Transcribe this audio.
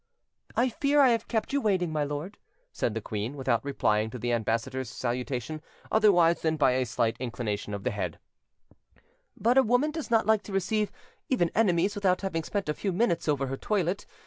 "I fear I have kept you waiting, my lord," said the queen, without replying to the ambassador's salutation otherwise than by a slight inclination of the head; "but a woman does not like to receive even enemies without having spent a few minutes over her toilet.